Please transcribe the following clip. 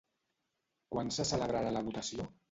Quan se celebrarà la votació?